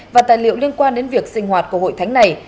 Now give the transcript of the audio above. và tài liệu liên quan đến việc sinh hoạt của hội thánh này